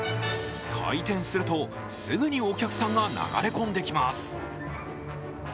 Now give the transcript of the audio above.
開店するとすぐにお客さんが流れ込んできます。